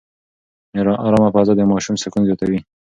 ارامه فضا د ماشوم سکون زیاتوي.